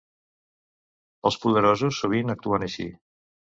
Els poderosos sovint actuen així.